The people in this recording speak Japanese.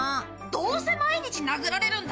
どうせ毎日殴られるんだ！